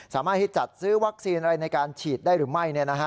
สามารถที่จัดซื้อวัคซีนอะไรในการฉีดได้หรือไม่